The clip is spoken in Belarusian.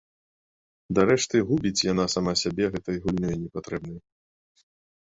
Дарэшты губіць яна сама сябе гэтай гульнёй непатрэбнай.